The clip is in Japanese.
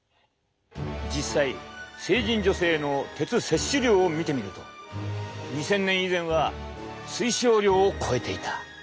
実際成人女性の鉄摂取量を見てみると２０００年以前は推奨量を超えていた。